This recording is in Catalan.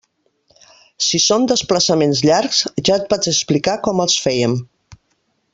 Si són desplaçaments llargs, ja et vaig explicar com els féiem.